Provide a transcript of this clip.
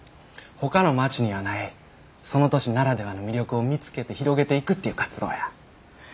ほかの町にはないその都市ならではの魅力を見つけて広げていくっていう活動や。